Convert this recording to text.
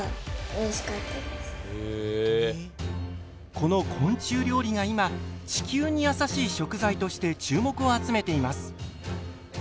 この昆虫料理が今地球に優しい食材として注目を集めています。